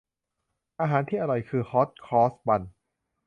อาหารที่อร่อยคือฮอตครอสบันส์